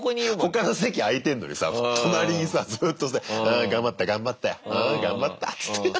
他の席空いてんのにさ隣にさずっとさ「あ頑張った頑張ったよあ頑張った」っつって。